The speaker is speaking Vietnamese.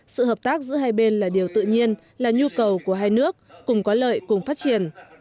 sự hợp tác giữa hai bên là điều tự nhiên là nhu cầu của hai nước cùng có lợi cùng phát triển